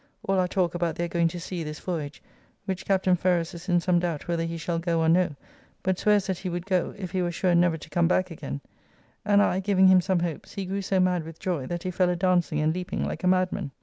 All our talk about their going to sea this voyage, which Capt. Ferrers is in some doubt whether he shall go or no, but swears that he would go, if he were sure never to come back again; and I, giving him some hopes, he grew so mad with joy that he fell a dancing and leaping like a madman.